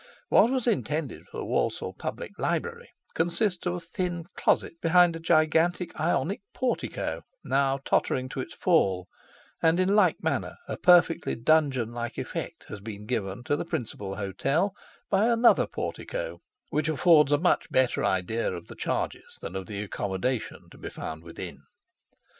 What was intended for the Walsall public library consists of a thin closet behind a gigantic Ionic portico, now tottering to its fall; and in like manner a perfectly dungeon like effect has been given to the principal hotel by another portico, which affords a much better idea of the charges than of the accommodation to be found within.